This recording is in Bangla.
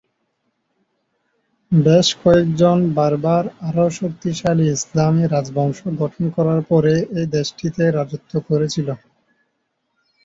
বেশ কয়েকজন বার্বার আরও শক্তিশালী ইসলামী রাজবংশ গঠন করার পরে এই দেশটিতে রাজত্ব করেছিল।